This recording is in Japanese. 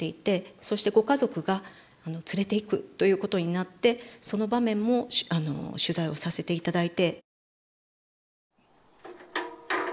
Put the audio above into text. そしてご家族が連れていくということになってその場面も取材をさせていただいて。